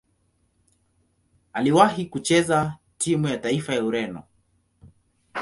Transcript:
Aliwahi kucheza timu ya taifa ya Ureno.